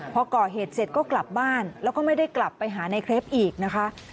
พอก่อเหตุเสร็จก็กลับบ้านแล้วก็ไม่ได้กลับไปหาในเครปอีกนะคะ